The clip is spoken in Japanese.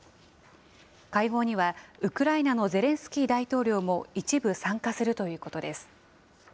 会合には、ウクライナのゼレンスキー大統領も一部参加するということです。